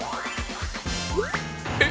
えっ。